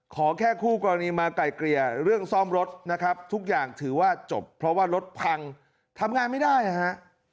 ขอแค่คู่กรณีมาไก่เกลี่ยเรื่องซ่อมรถนะครับทุกอย่างถือว่าจบเพราะว่ารถพังทำงานไม่ได้นะฮะ